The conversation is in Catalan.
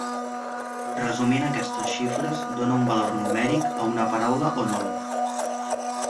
Resumint aquestes xifres dóna un valor numèric a una paraula o nom.